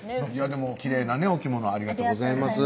でもきれいなねお着物ありがとうございます